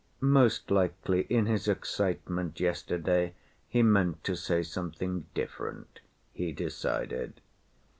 Most likely in his excitement yesterday he meant to say something different," he decided.